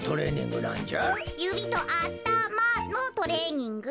ゆびとあたまのトレーニング。